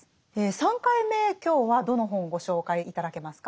３回目今日はどの本をご紹介頂けますか？